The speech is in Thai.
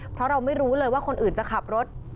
เพราะเราไม่รู้เลยว่าคนอื่นจะขับรถ